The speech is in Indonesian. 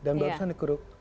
dan barusan dikuruk